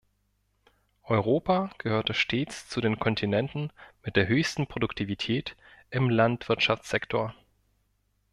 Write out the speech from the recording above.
Europa gehörte stets zu den Kontinenten mit der höchsten Produktivität im Landwirtschaftssektor.